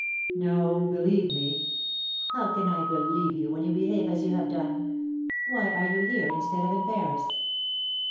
"No, believe me " "How can I believe you when you behave as you have done? Why are you here instead of in Paris?"